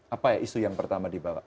apa ya isu yang pertama dibawa